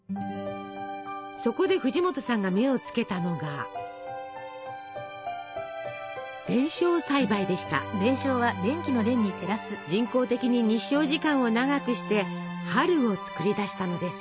そこで藤本さんが目をつけたのが人工的に日照時間を長くして「春」を作り出したのです。